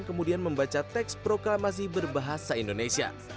kemudian membaca teks proklamasi berbahasa indonesia